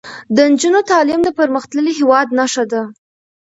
د نجونو تعلیم د پرمختللي هیواد نښه ده.